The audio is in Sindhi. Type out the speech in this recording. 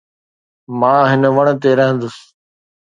مان هن وڻ تي رهندس.